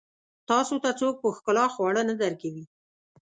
تاسو ته څوک په ښکلا خواړه نه درکوي.